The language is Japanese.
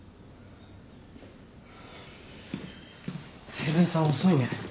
照井さん遅いね。